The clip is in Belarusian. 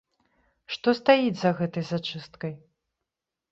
Што стаіць за гэтай зачысткай?